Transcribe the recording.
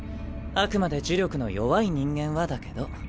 あくまで呪力の弱い人間はだけど。